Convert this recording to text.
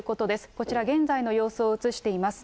こちら、現在の様子を映しています。